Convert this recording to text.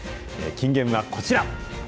金言はこちら。